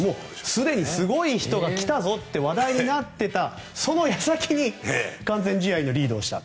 すでにすごい人が来たぞと話題になっていたその矢先に完全試合のリードをした。